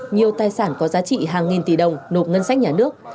nhiều tài sản có giá trị hàng nghìn tỷ đồng nộp ngân sách nhà nước